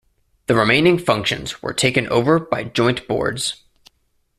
The remaining functions were taken over by joint boards.